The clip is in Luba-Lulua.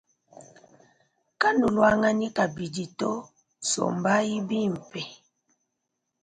Kanuluanganyi kabidi to sombayi bimpe.